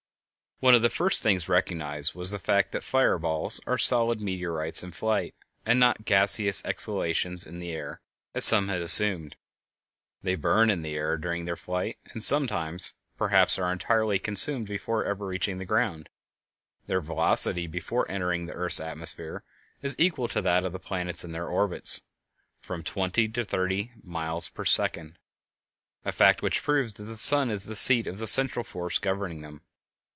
One of the first things recognized was the fact that fire balls are solid meteorites in flight, and not gaseous exhalations in the air, as some had assumed. They burn in the air during their flight, and sometimes, perhaps, are entirely consumed before reaching the ground. Their velocity before entering the earth's atmosphere is equal to that of the planets in their orbits—viz., from twenty to thirty miles per second—a fact which proves that the sun is the seat of the central force governing them.